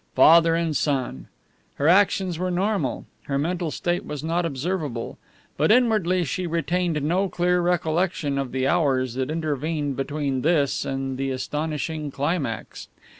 Father and son! Her actions were normal; her mental state was not observable; but inwardly she retained no clear recollection of the hours that intervened between this and the astonishing climax.